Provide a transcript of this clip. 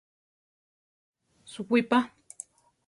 Suwí pa!